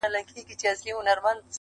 شرم پر حقيقت غالب کيږي تل